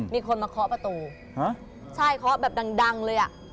มีคนมาเคาะประตูใช่เคาะแบบดังเลยอ่ะ